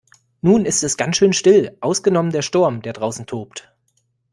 Nun ist es ganz schön still, ausgenommen der Sturm, der draußen tobt.